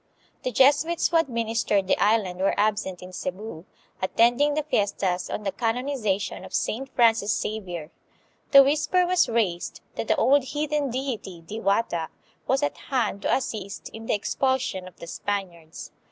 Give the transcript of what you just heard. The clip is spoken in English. The Jes uits who administered the island were absent in Cebu, attending the fiestas on the canonization of Saint Francis Xavier. The whisper was raised that the old heathen deity, Diwata, was at hand to assist in the expulsion of the Spaniards.